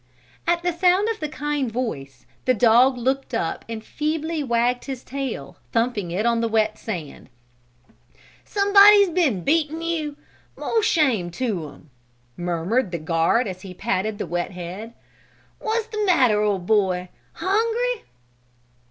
At the sound of the kind voice the dog looked up and feebly wagged his tail, thumping it on the wet sand. "Somebody's been beating you; more shame to 'em!" murmured the guard as he patted the wet head. "What's the matter, old boy? Hungry?"